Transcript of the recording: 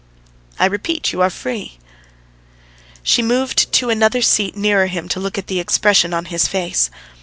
"I repeat, you are free." She moved to another seat nearer him to look at the expression of his face.